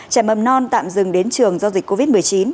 trẻ mầm non tạm dừng đến trường do dịch covid một mươi chín